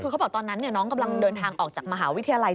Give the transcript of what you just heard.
คือเขาบอกตอนนั้นน้องกำลังเดินทางออกจากมหาวิทยาลัย